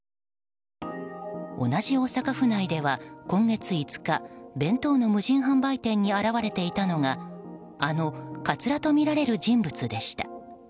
同じ大阪府内では今月５日弁当の無人販売店に現れていたのがあのカツラとみられる人物でした。